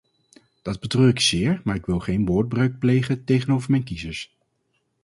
Dat betreur ik zeer, maar ik wil geen woordbreuk plegen tegenover mijn kiezers.